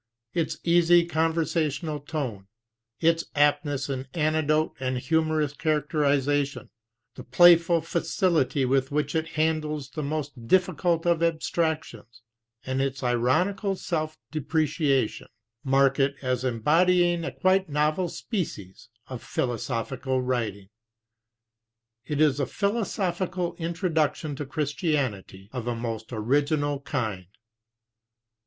Its easy conversational tone, its aptness in anecdote and humorous characterization, the playful facility with which it handles the most difficult of abstractions, and its ironical self depreciation, mark it as em bodying a quite novel species of philosophical writing. It is a philosophical introduction to Christianity of a most original kind.